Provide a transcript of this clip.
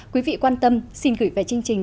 quý vị quan tâm xin gửi về chương trình